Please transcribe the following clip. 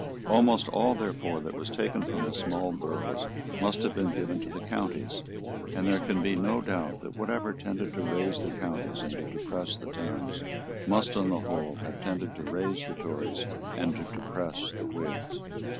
Almost all therefore that was taken from the small boroughs must have been given to the counties; and there can be no doubt that whatever tended to raise the counties and to depress the towns must on the whole have tended to raise the Tories and to depress the Whigs.